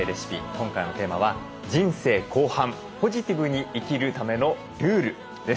今回のテーマは「人生後半ポジティブに生きるためのルール」です。